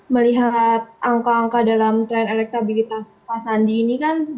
melihat angka angka dalam tren elektabilitas pak sandi ini kan